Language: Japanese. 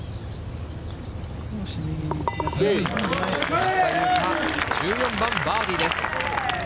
安田祐香、１４番バーディーです。